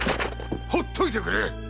ほっといてくれ！